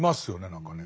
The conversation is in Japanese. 何かね。